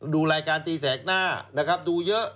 ดูรายการตีแสกหน้านะครับดูเยอะ